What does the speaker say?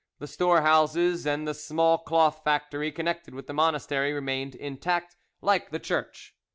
The storehouses and the small cloth factory connected with the monastery remained intact, like the church.